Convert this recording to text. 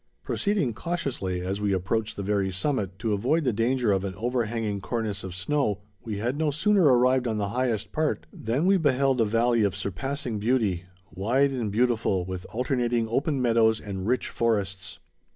Proceeding cautiously, as we approached the very summit, to avoid the danger of an overhanging cornice of snow, we had no sooner arrived on the highest part than we beheld a valley of surpassing beauty, wide and beautiful, with alternating open meadows and rich forests.